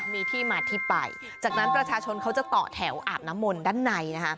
มีที่มาที่ไปจากนั้นประชาชนเขาจะต่อแถวอาบน้ำมนต์ด้านในนะคะ